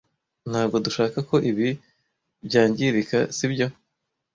Ntago dushaka ko ibi byangirika, sibyo?